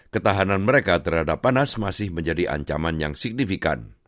ketahanan mereka terhadap panas masih menjadi ancaman yang signifikan